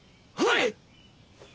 はい！